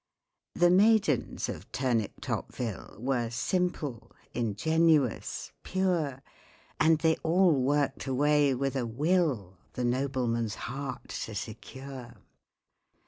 The maidens of Turniptopville Were simple—ingenuous—pure— And they all worked away with a will The nobleman's heart to secure.